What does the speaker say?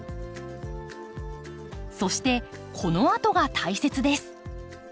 そしてこのあとが大切です。